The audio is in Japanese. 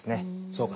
そうか。